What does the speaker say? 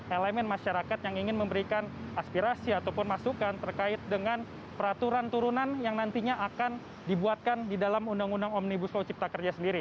elemen masyarakat yang ingin memberikan aspirasi ataupun masukan terkait dengan peraturan turunan yang nantinya akan dibuatkan di dalam undang undang omnibus law cipta kerja sendiri